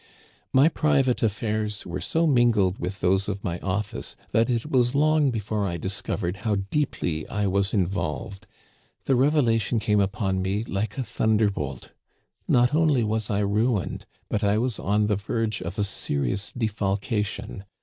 " My private affairs were so mingled with those of my office that it was long before I discovered how deep ly I was involved. The revelation came upon me like a thunderbolt. Not only was I ruined, but I was on the verge of a serious defalcation.